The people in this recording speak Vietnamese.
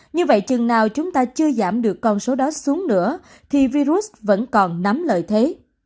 như vậy chừng nào chúng ta chưa giảm được con số đó xuống nữa thì virus vẫn còn nắm lợi thế